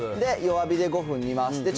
弱火で５分煮ます。